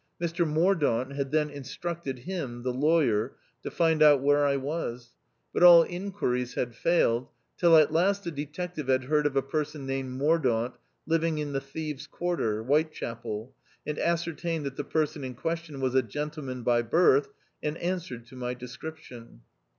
Mr Mordaunt had then in structed him (the lawyer) to find out where I was, but all inquiries had failed, till at last a detective had heard of a person named Mordaunt living in the thieves' quarter, Whitechapel, and ascertained that the per son in question was a gentleman by birth, and answered to my description.